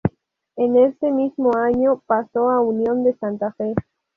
En ese mismo año pasó a Unión de Santa Fe.